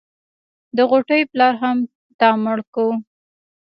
د غوټۍ پلار هم تا مړ کو.